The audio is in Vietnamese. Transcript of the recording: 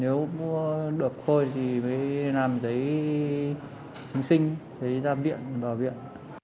nếu mua được thôi thì mới làm giấy chứng sinh giấy ra viện vào viện